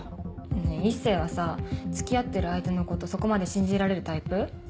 ねぇ一星はさ付き合ってる相手のことそこまで信じられるタイプ？